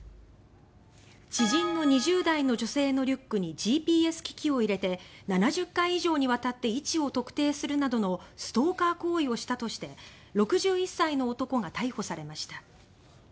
知人の２０代の女性のリュックにＧＰＳ機器を入れて７０回以上にわたって位置を特定するなどのストーカー行為をしたとして６１歳の男が逮捕されました。